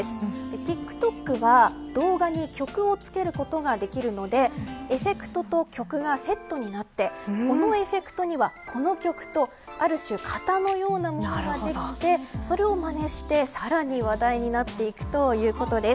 ＴｉｋＴｏｋは、動画に曲をつけることができるのでエフェクトと曲がセットになってこのエフェクトには、この曲とある種、型のようなものができてそれをまねしてさらに話題になっていくということです。